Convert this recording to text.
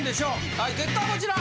はい結果はこちら。